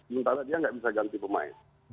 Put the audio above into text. minta dia tidak bisa ganti pemain